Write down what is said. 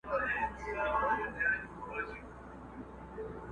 هر دلیل ته یې راوړله مثالونه!.